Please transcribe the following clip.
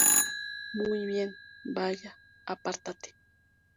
Muy bien. Vaya, apártate.